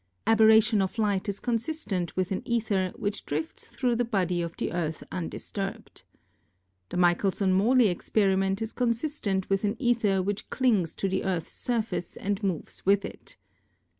Aberration of light is consistent with an aether which drifts through the body of the earth undisturbed. The Michelson Morley experi ment is consistent with an aether which clings to the Earth's surface and moves with it.